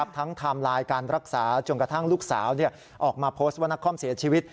ไทม์ไลน์การรักษาจนกระทั่งลูกสาวออกมาโพสต์ว่านักคอมเสียชีวิต